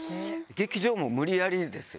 劇場も無理やりです。